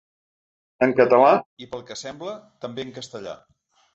En català i, pel que sembla, també en castellà.